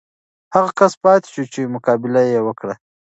هغه کس پاتې شو چې مقابله یې وکړه.